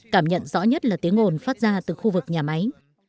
cảm nhận rõ nhất là tiếng ồn phát ra từ khu vực nhà máy